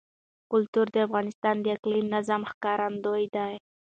کلتور د افغانستان د اقلیمي نظام ښکارندوی ده.